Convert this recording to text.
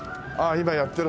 今やってる。